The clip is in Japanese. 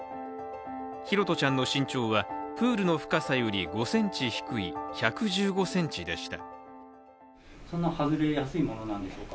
拓社ちゃんの身長はプールの深さより５ｃｍ低い１１５ｃｍでした。